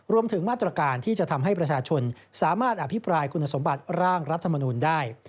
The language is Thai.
รวมถึงมาตรการที่จะทำให้ประชาชนสามารถอภิปรายคุณสมบัติร่างรัฐมนูลได้